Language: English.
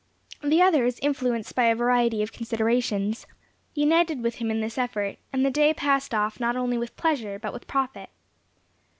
The others, influenced by a variety of considerations, united with him in this effort, and the day passed off not only with pleasure, but with profit.